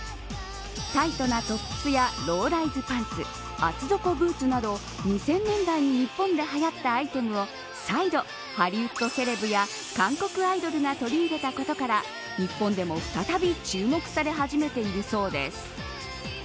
タイトなトップスやローライズパンツ厚底ブーツなど２０００年代に日本ではやったアイテムを再度、ハリウッドセレブや韓国アイドルが取り入れたことから、日本でも再び注目され始めているそうです。